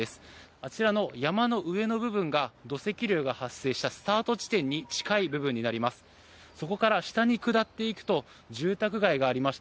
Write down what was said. あちらの山の上の部分が土石流が発生したスタート地点に近い部分になります。